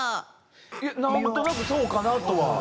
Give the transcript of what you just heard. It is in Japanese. いや何となくそうかなとは。